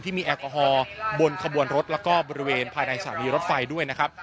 มีแอลกอฮอล์บนขบวนรถแล้วก็บริเวณภายในสถานีรถไฟด้วยนะครับ